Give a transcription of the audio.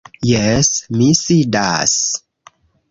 Jes, mi sidas.